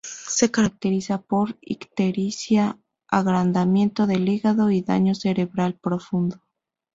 Se caracteriza por ictericia, agrandamiento del hígado y daño cerebral profundo.